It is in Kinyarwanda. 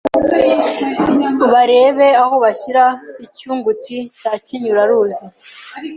Barebe aho bashyira icyunguti cya Kinyuraruzi